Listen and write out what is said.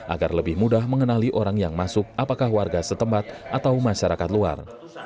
agar lebih mudah mengenali orang yang masuk apakah warga setempat atau masyarakat luar